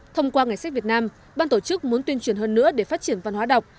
thông qua ngày sách việt nam ban tổ chức muốn tuyên truyền hơn nữa để phát triển văn hóa đọc